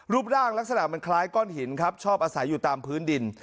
รูปร่างลักษณะมันคล้ายก้อนหินครับชอบอาศัยอยู่ตามพื้นดิน